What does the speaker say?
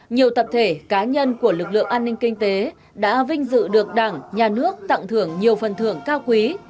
nhiều tập thể cá nhân của lực lượng an ninh kinh tế đã vinh dự được đảng nhà nước tặng thưởng nhiều phần thưởng cao quý